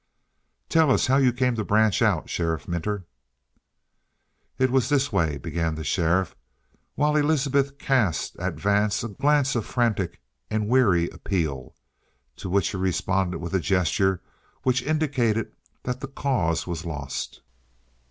"Tell us how you came to branch out, Sheriff Minter?" "It was this way," began the sheriff, while Elizabeth cast at Vance a glance of frantic and weary appeal, to which he responded with a gesture which indicated that the cause was lost.